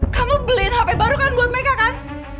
kamu beliin hp baru kan buat mereka kan